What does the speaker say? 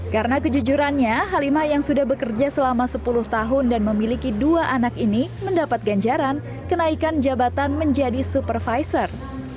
karena kejujurannya halimah yang sudah bekerja selama sepuluh tahun dan memiliki dua anak ini mendapat ganjaran kenaikan jabatan menjadi supervisor